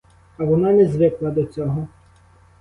А вона не звикла до цього.